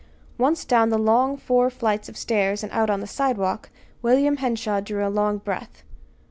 Once down the long four flights of stairs and out on the sidewalk, William Henshaw drew a long breath.